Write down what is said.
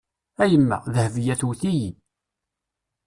A yemma, Dehbeya tewwet-iyi.